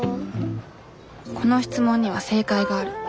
この質問には正解がある。